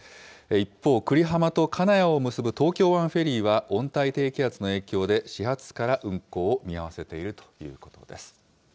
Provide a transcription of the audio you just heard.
一方、久里浜と金谷を結ぶ東京湾フェリーは、温帯低気圧の影響で、始発から運航を見合わせているということです。